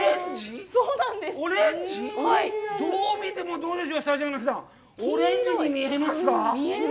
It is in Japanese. どう見ても、どうですか、スタジオの皆さん、オレンジに見えますか？